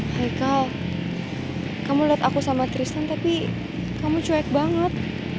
haikal kamu liat aku sama tristan tapi kamu cuek banget